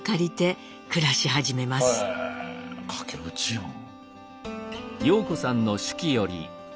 へ駆け落ちやん。